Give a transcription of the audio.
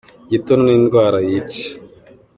Igituntu n'indwara yica.